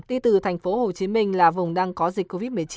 đi từ thành phố hồ chí minh là vùng đang có dịch covid một mươi chín